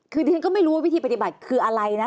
คือดิฉันก็ไม่รู้ว่าวิธีปฏิบัติคืออะไรนะ